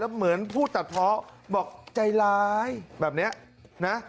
เหมือนพูดตัดเพราะบอกใจร้ายแบบนี้นะ